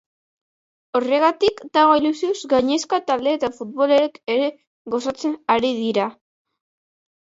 Horregatik dago ilusioz gainezka taldea eta futbolariak ere gozatzen ari dira.